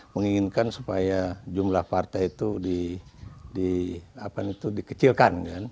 menginginkan supaya jumlah partai itu dikecilkan